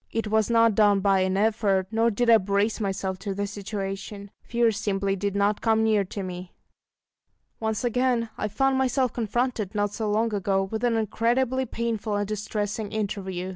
It was not done by an effort, nor did I brace myself to the situation: fear simply did not come near to me. Once again I found myself confronted, not so long ago, with an incredibly painful and distressing interview.